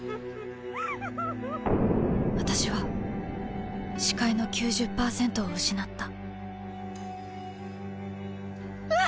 私は視界の９０％を失ったうわ！